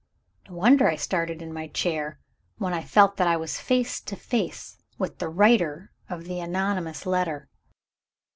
No wonder I started in my chair, when I felt that I was face to face with the writer of the anonymous letter!